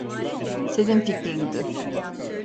Senin fikrindi.